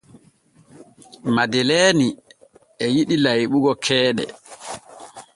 Madeleeni e yiɗi layɓugo keeɗe.